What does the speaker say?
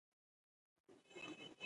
مینه په ژبه کې څرګندیږي.